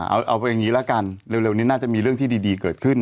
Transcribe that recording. เอาอย่างนี้ละกันเร็วนี้น่าจะมีเรื่องที่ดีเกิดขึ้น